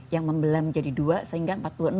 yang membelam jadi dua sehingga empat puluh enam